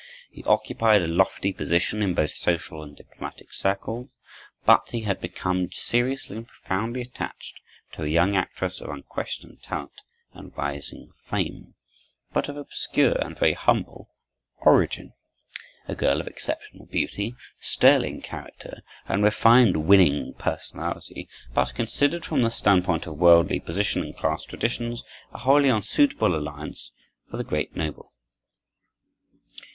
He occupied a lofty position in both social and diplomatic circles, but he had become seriously and profoundly attached to a young actress of unquestioned talent and rising fame, but of obscure and very humble origin—a girl of exceptional beauty, sterling character, and refined, winning personality, but, considered from the standpoint of worldly position and class traditions, a wholly unsuitable alliance for the great noble.